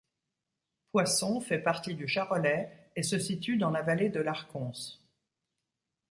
Poisson fait partie du Charolais et se situe dans la vallée de l'Arconce.